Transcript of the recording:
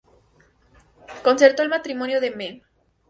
Concertó el matrimonio de Mme.